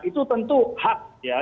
itu tentu hak ya